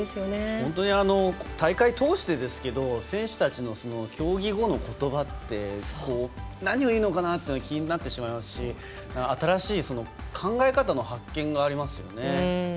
本当に大会を通して選手たちの競技後のことばって何を言うのかなって気になってしまいますし新しい考え方の発見がありますよね。